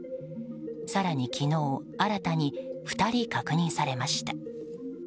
更に昨日新たに２人確認されました。